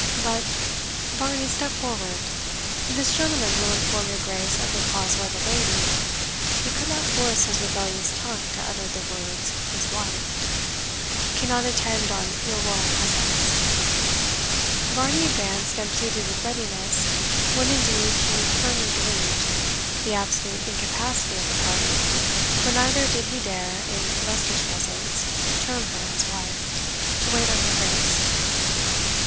But Varney, step forward this gentleman will inform your Grace of the cause why the lady" (he could not force his rebellious tongue to utter the words HIS WIFE) "cannot attend on your royal presence." Varney advanced, and pleaded with readiness, what indeed he firmly believed, the absolute incapacity of the party (for neither did he dare, in Leicester's presence, term her his wife) to wait on her Grace.